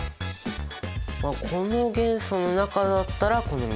この元素の中だったらこの３つかな。